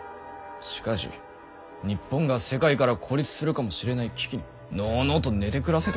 しかし日本が世界から孤立するかもしれない危機にのうのうと寝て暮らせと。